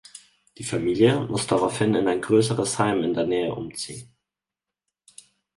Die Familie muss daraufhin in ein größeres Heim in der Nähe umziehen.